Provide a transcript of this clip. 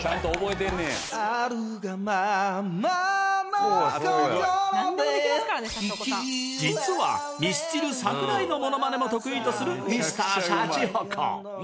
あるがままの心で実はミスチル桜井のモノマネも得意とするＭｒ．シャチホコ